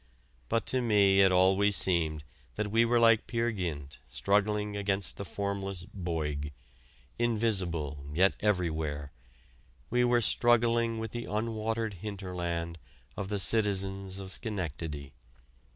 But to me it always seemed that we were like Peer Gynt struggling against the formless Boyg invisible yet everywhere we were struggling with the unwatered hinterland of the citizens of Schenectady.